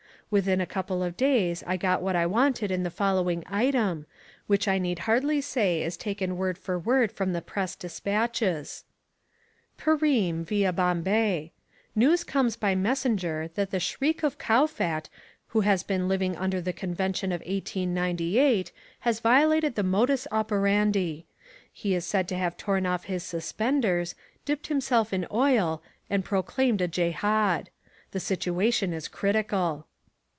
Within a couple of days I got what I wanted in the following item, which I need hardly say is taken word for word from the Press despatches: "Perim, via Bombay. News comes by messenger that the Shriek of Kowfat who has been living under the convention of 1898 has violated the modus operandi. He is said to have torn off his suspenders, dipped himself in oil and proclaimed a Jehad. The situation is critical."